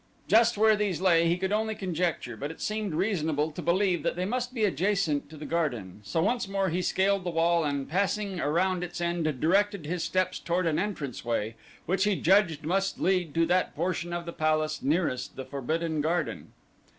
Just where these lay he could only conjecture, but it seemed reasonable to believe that they must be adjacent to the garden, so once more he scaled the wall and passing around its end directed his steps toward an entrance way which he judged must lead to that portion of the palace nearest the Forbidden Garden.